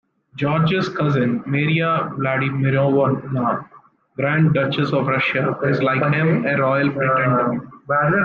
Giorgi's cousin, Maria Vladimirovna, Grand Duchess of Russia is, like him, a royal pretender.